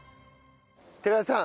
寺田さん。